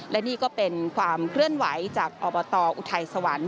และนี่ก็เป็นความเคลื่อนไหวจากอบตอุทัยสวรรค์